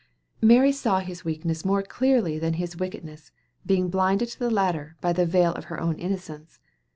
Mary saw his weakness more clearly than his wickedness, being blinded to the latter by the veil of her own innocence.